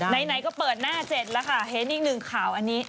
ไหนก็เปิดหน้าเจ็ดแล้วค่ะเห็นอีกหนึ่งข่าวอันนี้